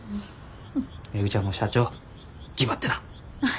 めぐちゃんも社長ぎばってな。